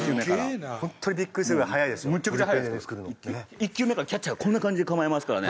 １球目からキャッチャーがこんな感じで構えますからね。